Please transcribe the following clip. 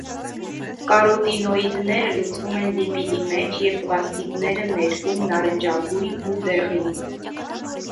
Կարոտինոիդները լուծվում են լիպիդի մեջ և պլաստիդները ներկում նարնջագույն ու դեղին։